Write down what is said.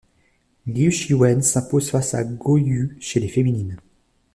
Liu Shiwen s'impose face à Guo Yue chez les féminines.